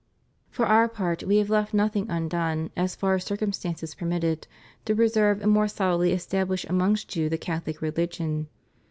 For Our part We have left nothing undone, as far as circumstances permitted, to preserve and more solidly establish amongst you the CathoUc religion.